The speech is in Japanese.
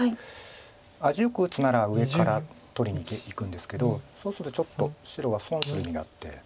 味よく打つなら上から取りにいくんですけどそうするとちょっと白は損する意味があって。